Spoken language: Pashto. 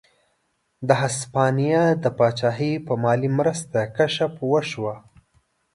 د هسپانیا د پاچاهۍ په مالي مرسته کشف وشوه.